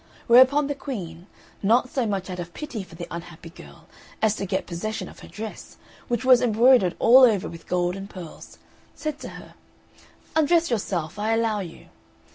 Whereupon the Queen, not so much out of pity for the unhappy girl, as to get possession of her dress, which was embroidered all over with gold and pearls, said to her, "Undress yourself I allow you."